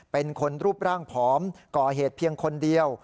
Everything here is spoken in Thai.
เป็นคนรูปร่างผอมก่อเหตุเพียงคนเดียว